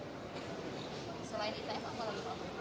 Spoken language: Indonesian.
selain itf apa lagi